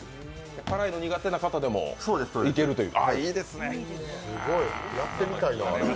辛いの苦手な方でもいけるという。